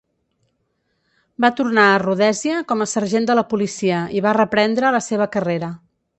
Va tornar a Rhodèsia com a sergent de la policia i va reprendre la seva carrera.